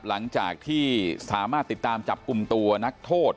หลังจากที่สามารถติดตามจับกลุ่มตัวนักโทษ